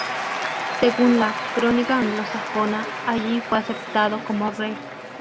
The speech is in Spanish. Según la "Crónica anglosajona," allí fue aceptado como rey.